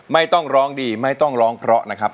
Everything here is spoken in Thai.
ไม่ต้องร้องดีไม่ต้องร้องเพราะนะครับ